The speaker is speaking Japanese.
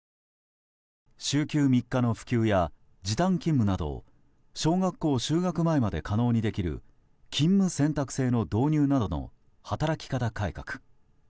週休３日の普及や時短勤務など小学校就学前まで可能にできる勤務選択制の導入などの働き方改革。